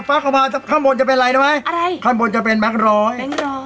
ปั๊กเข้ามาข้างบนจะเป็นอะไรนะไหมข้างบนจะเป็นแบคร้อยแบคร้อย